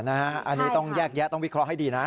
อันนี้ต้องแยกแยะต้องวิเคราะห์ให้ดีนะ